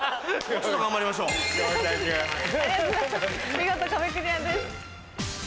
見事壁クリアです。